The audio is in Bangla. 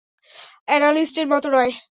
অ্যানালিস্টের মতো নয়।